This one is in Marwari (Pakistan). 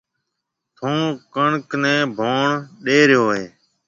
ٿوُن ڪڻڪ نَي ڀوڻ ڏيَ ريو هيَ۔